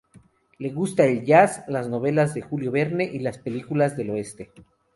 Le gusta el jazz, las novelas de Julio Verne y las películas del oeste.